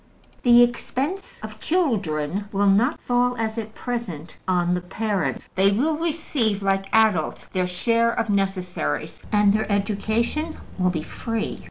The expense of children will not fall, as at present, on the parents. They will receive, like adults, their share of necessaries, and their education will be free.